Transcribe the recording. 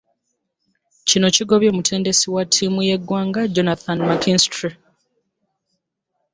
Kino kigobye omutendesi wa ttiimu y'eggwanga, Johnathan McKinstry.